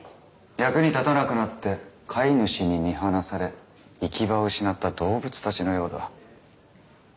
役に立たなくなって飼い主に見放され行き場を失った動物たちのようだ。